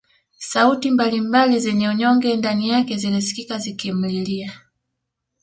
Sauti mbali mbali zenye unyonge ndani yake zilisikika zikimlilia